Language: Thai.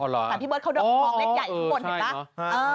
แต่พี่เบิร์ดเขาดูมองเลขใหญ่อีกหมดเห็นปะ